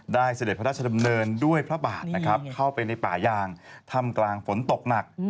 เสด็จพระราชดำเนินด้วยพระบาทนะครับเข้าไปในป่ายางทำกลางฝนตกหนัก